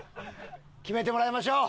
決めてもらいましょう。